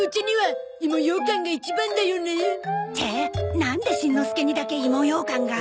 なんでしんのすけにだけいもようかんが。